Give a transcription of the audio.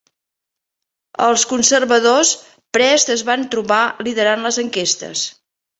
Els conservadors prest es van trobar liderant les enquestes.